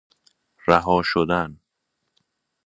رها شدن